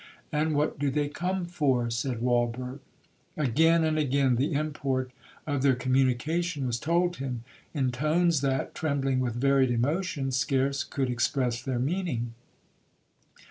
'—'And what do they come for?' said Walberg. Again and again the import of their communication was told him, in tones that, trembling with varied emotion, scarce could express their meaning.